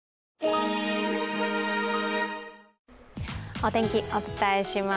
お天気、お伝えします。